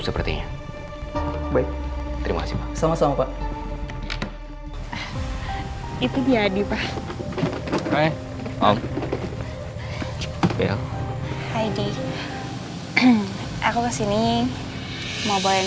sepertinya baik terima kasih sama sama pak itu dia di pak hai mau beli aku kesini mau bawa yang